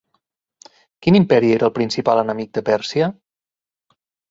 Quin imperi era el principal enemic de Pèrsia?